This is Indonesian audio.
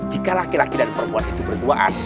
jika laki laki dan perempuan itu berduaan